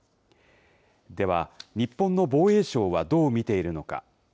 では、日本の防衛省はどう見ているのか。